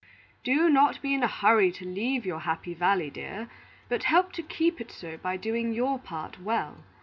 "Do not be in a hurry to leave your Happy Valley, my dear; but help to keep it so by doing your part well.